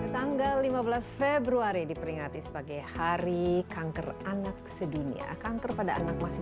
tanggal lima belas februari diperingati sebagai hari kanker anak sedunia kanker pada anak masih